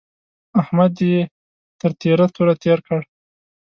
احمد يې تر تېره توره تېر کړ.